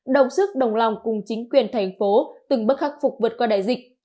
đồng sức đồng lòng cùng chính quyền thành phố từng bước khắc phục vượt qua đại dịch